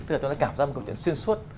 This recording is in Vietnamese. nó đẹp ra một câu chuyện xuyên suốt